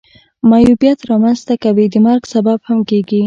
معیوبیت را منځ ته کوي د مرګ سبب هم کیږي.